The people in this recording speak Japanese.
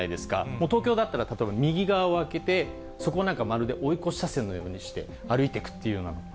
もう東京だったら例えば右側を空けて、そこをなんか、まるで追い越し車線のようにして歩いていくというのが。